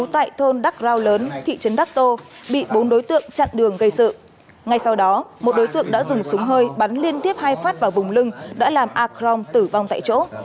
theo đó một đối tượng đã dùng súng hơi bắn liên tiếp hai phát vào vùng lưng đã làm akron tử vong tại chỗ